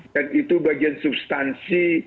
dan itu bagian substansi